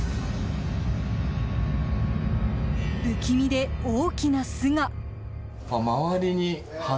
不気味で大きな巣が。